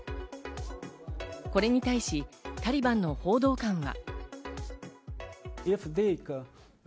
これに対し、タリバンの報道官は。